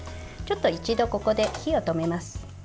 ちょっと一度ここで火を止めます。